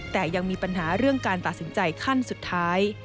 แต่ยังมีปัญหาเรื่องการตัดสินใจขั้นสุดท้าย